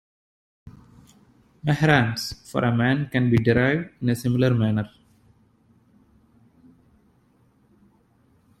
"Mahrams" for a man can be derived in a similar manner.